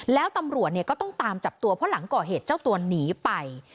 แล้วตำรวจก็ต้องตามจับตัวเพราะหลังก่อเหตุเจ้าตัวหนีไป